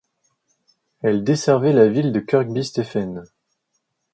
Elle desservait la ville de Kirkby Stephen.